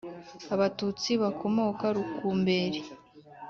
Abatutsi bakomoka rukumberi